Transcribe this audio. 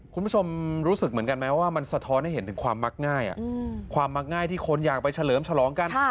คุณผู้ชมรู้สึกเหมือนกันไหมว่ามันสะท้อนให้เห็นถึงความมักง่ายความมักง่ายที่คนอยากไปเฉลิมฉลองกัน